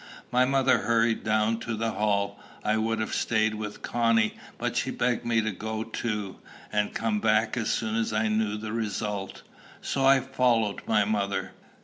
My mother hurried down to the hall. I would have staid with Connie; but she begged me to go too, and come back as soon as I knew the result; so I followed my mother.